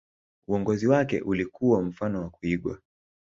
uongozi wake ulikuwa mfano wa kuigwa